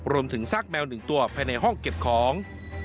รวมถึงซากแมวหนึ่งตัวภายในห้องเก็บของ